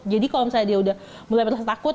jadi kalau misalnya dia udah mulai rasa takut